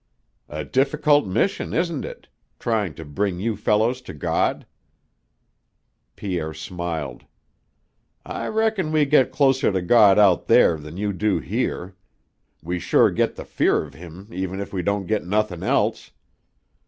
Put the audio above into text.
"A difficult mission, isn't it? Trying to bring you fellows to God?" Pierre smiled. "I reckon we get closer to God out there than you do here. We sure get the fear of Him even if we don't get nothin' else.